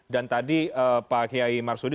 tadi pak kiai marsudi